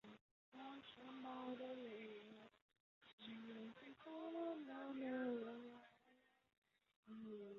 本列表收录了部分中华人民共和国境内民用机场导航台资料。